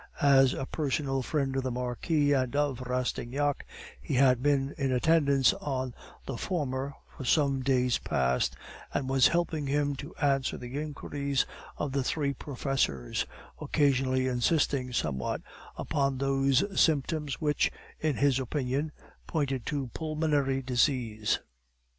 As a personal friend of the Marquis and of Rastignac, he had been in attendance on the former for some days past, and was helping him to answer the inquiries of the three professors, occasionally insisting somewhat upon those symptoms which, in his opinion, pointed to pulmonary disease.